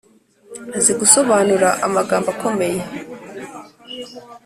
azi -gusobanura amagambo akomeye;